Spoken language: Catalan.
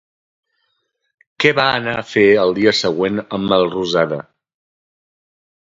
Què va anar a fer el dia següent en Melrosada?